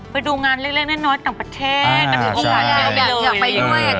ไปดูงานเล็กน้อยศักดิ์ประเทศ